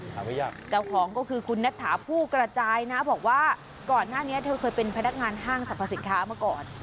หาไม่ยากเจ้าของก็คือคุณนัทถาผู้กระจายนะบอกว่าก่อนหน้านี้เธอเคยเป็นพนักงานห้างสรรพสินค้ามาก่อน